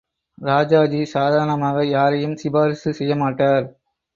ராஜாஜி சாதாரணமாக யாரையும் சிபாரிசு செய்யமாட்டார்.